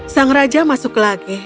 sang raja masuk lagi